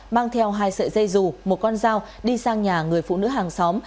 mang theo hai sợi dây dù một con dao đi sang nhà người phụ nữ hàng xóm